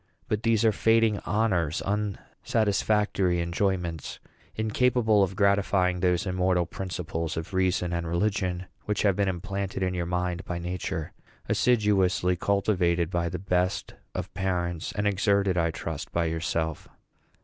But these are fading honors, unsatisfactory enjoyments, incapable of gratifying those immortal principles of reason and religion which have been implanted in your mind by Nature, assiduously cultivated by the best of parents, and exerted, I trust, by yourself.